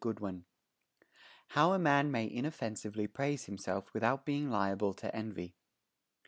20 HOW A MAN MAY INOFFENSIVELY PRAISE HIMSELF WITHOUT BEING LIABLE TO ENVY.